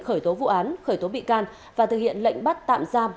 khởi tố vụ án khởi tố bị can và thực hiện lệnh bắt tạm giam